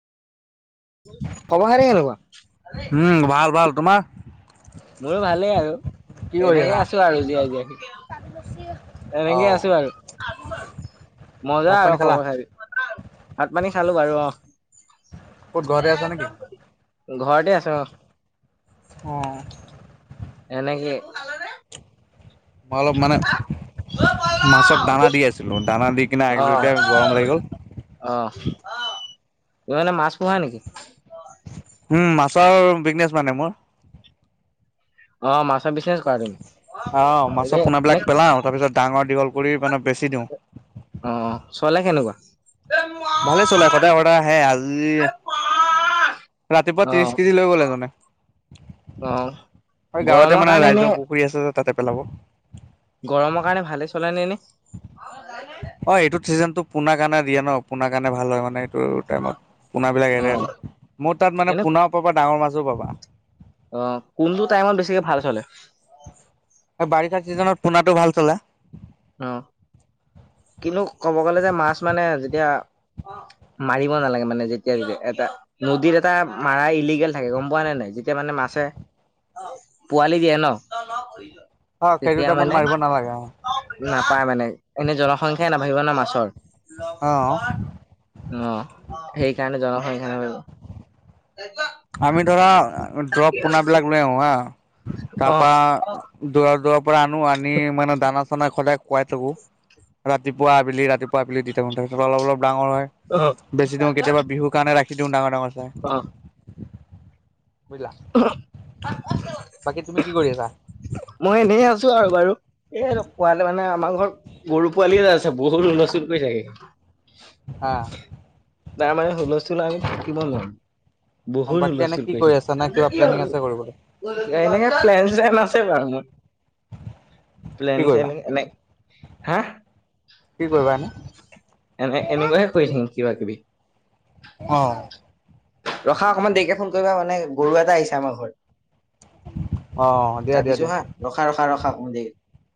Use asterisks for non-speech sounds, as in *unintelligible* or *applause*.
খবৰ খাটি কেনেকুৱা? উম, ভাল, ভাল তোমাৰ? মোৰো ভালেই আৰু কি কৰি আছা? তেনেকে আছোঁ আৰু জীয়াই, জীয়াই। এনেকে অহ, আছো আৰু মজা ভাত পানী আৰু খালা? খবৰ খাই ভাত পানী খালোঁ বাৰু অ'। ক'ত ঘৰতে আছা নেকি? ঘৰতে আছোঁ অ'। অ'। এনেকে মই অলপ মানে, মাছক দানা দি আছিলোঁ দানা দি কিনে অ আহিলোঁ এতিয়া গৰম লাগি গ'ল। অ', তুমি মানে মাছ পোহা নেকি? উম, মাছৰ বিজনেছ মানে মোৰ। অ, মাছৰ বিচনেছ কৰা তুমি। অ, এনে মাছৰ এনে পোনাবিলাক পেলাও তাৰ পিছত ডাঙৰ দীঘল কৰি মানে বেছি দিওঁ। অ', চলে কেনেকুৱা? ভালে চলে, সদায় সদায় অৰ্ডাৰ আহে আজি ৰাতিপুৱা অ ত্ৰিশ কেজি লৈ গ'লে এজনে। অ হয় গাঁৱতে গৰমৰ মানে কাৰণে এনে ৰাইজৰ পুখুৰী আছে যে তাতে পেলাব। গৰমৰ কাৰণে ভালে চলে নে এনে? অ', এইটোত চিজন টো পোনাৰ কাৰণে দিয়ে ন' পোনাৰ কাৰণে ভাল হয় মানে। ত টাইমত পোনা বিলাক এৰে অ', আৰু মোৰ তাত মানে এনে পোনাও পাবা ডাঙৰ মাছও পাবা। অ', কোনটো টাইমত বেছিকে ভাল চলে? এই বাৰিষা চিজনত পোনাটো ভাল চলে। অ', কিন্তু ক'ব গলে যে মাছ মানে যেতিয়া মাৰিব নালাগে মানে যেতিয়া তেতিয়া এটা। নদীৰ এটা মাৰা ইলিগেল থাকে গম পোৱা নাই নাই যেতিয়া মানে মাছে পোৱালি দিয়ে ন' অ', সেইটো তেতিয়া টাইমত মানে মাৰিব নালাগে অ'। নাপায় মানে এনে জনসংখ্যাই নাবহিব না মাছৰ। অ অ', সেইকাৰণে জনসংখ্যা নাপ *unintelligible* আমি ধৰা দৰৱ পোনাবিলাক লৈ আহোঁ হা, তাৰ অ', পৰা দৰ দৰ *unintelligible* পৰা আনো আনি মানে দানা চানা সদায় শুৱাই থাকোঁ ৰাতিপুৱা আবেলি ৰাতিপুৱা আবেলি দ *unintelligible* তেতিয়া অলপ অলপ ডাঙৰ হয় অ', বেছি দিওঁ কেতিয়াবা বিহুৰ কাৰণে ৰাখি দিওঁ ডাঙৰ ডাঙৰ চাই। অ'। বুজিলা বাকী তুমি কি কৰি আছা মই এনেই আছো আৰু বাৰু। এই পোৱালে মানে আমাৰ ঘৰত গৰু পোৱালি এটা আছে বহুত হুল স্থুল কৰি থাকে। অ'। তাৰ মানে হুলস্থুল আমি থাকিব নোৱাৰো, অ বহুত বাকী এনে হুলস্থুল কি কৰি আছা নে কিবা প্লেনিং আছে কৰিবলৈ থাকো। এনেকে প্লেন শ্লেন আছে বাৰু মোৰ *unintelligible* কি প্লেনিং কৰিবা শ্লেনিং এনে হা কি কৰিবা এনে? এনে এনেকুৱা এ কৰি থাকিম কিবা কিবি। অ'। ৰখা অকণমান দেৰিকে ফোন কৰিবা মানে গৰু এটা আহিছে আমাৰ ঘৰত। অ দিয়া দিয়া কাঁটিছো দিয়া। হা ৰখা ৰখা ৰখা অকমান দেৰিকে।